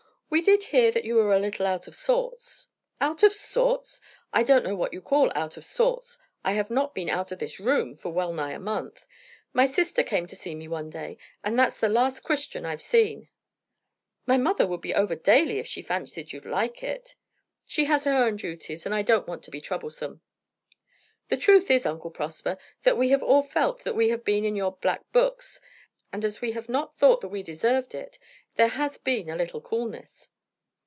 "We did hear that you were a little out of sorts." "Out of sorts! I don't know what you call out of sorts. I have not been out of this room for well nigh a month. My sister came to see me one day, and that's the last Christian I've seen." "My mother would be over daily if she fancied you'd like it." "She has her own duties, and I don't want to be troublesome." "The truth is, Uncle Prosper, that we have all felt that we have been in your black books; and as we have not thought that we deserved it, there has been a little coolness."